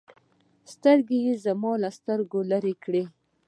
سترګې يې زما له سترګو لرې كړې.